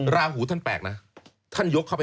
ราหูท่านแปลกนะ